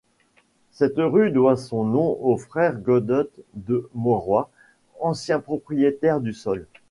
Cette rue doit son nom aux frères Godot de Mauroy, anciens propriétaires du sol.